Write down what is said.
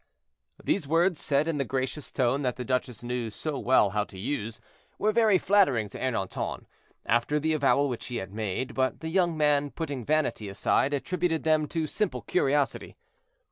These words, said in the gracious tone that the duchess knew so well how to use, were very flattering to Ernanton, after the avowal which he had made; but the young man, putting vanity aside, attributed them to simple curiosity.